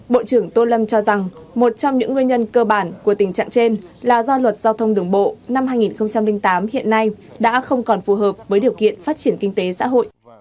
bộ trưởng tô lâm cho rằng một trong những nguyên nhân cơ bản của tình trạng trên là do luật giao thông đường bộ năm hai nghìn tám hiện nay đã không còn phù hợp với điều kiện phát triển kinh tế xã hội